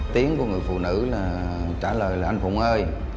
tiếng của người phụ nữ là trả lời là anh phụng ơi